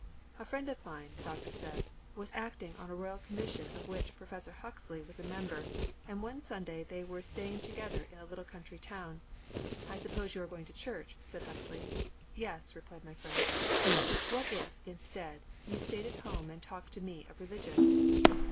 'A friend of mine,' the doctor says, 'was acting on a Royal Commission of which Professor Huxley was a member, and one Sunday they were staying together in a little country town. "I suppose you are going to church," said Huxley. "Yes," replied my friend. "What if, instead, you stayed at home and talked to me of religion?"